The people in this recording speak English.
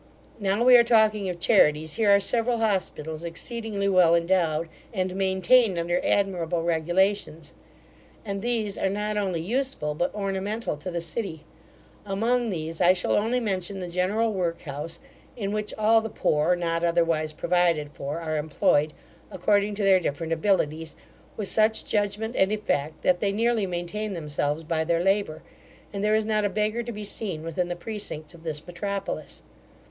Now we are talking of charities, here are several hospitals, exceedingly well endowed, and maintained under admirable regulations; and these are not only useful, but ornamental to the city. Among these, I shall only mention the general work house, in which all the poor, not otherwise provided for, are employed, according to their different abilities, with such judgment and effect, that they nearly maintain themselves by their labour, and there is not a beggar to be seen within the precincts of this metropolis.